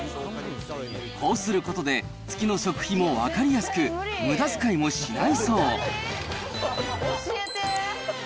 こうすることで、月の食費も分かりやすく、むだづかいもしないそう。